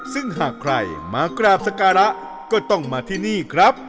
ซึ่งหากใครมากราบสการะก็ต้องมาที่นี่ครับ